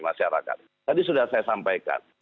masyarakat tadi sudah saya sampaikan